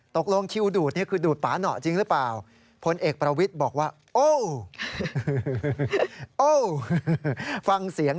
ตกลงคิวดูดคือดูดปาหน่อจริงหรือเปล่า